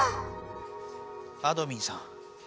あどミンさん